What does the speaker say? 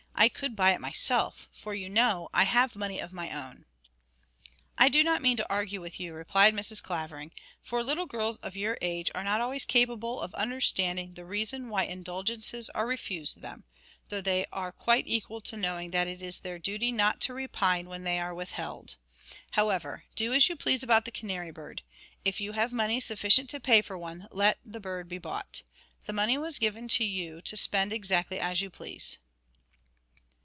I could buy it myself, for, you know, I have money of my own.' 'I do not mean to argue with you,' replied Mrs. Clavering, 'for little girls of your age are not always capable of understanding the reason why indulgences are refused them, though they are quite equal to knowing that it is their duty not to repine when they are withheld. However, do as you please about the canary bird. If you have money sufficient to pay for one, let the bird be bought. The money was given you to spend exactly as you please.'